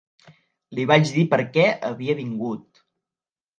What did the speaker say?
Li vaig dir per què havia vingut.